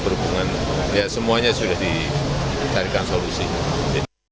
terutama terkait arus mudik di pelabuhan merak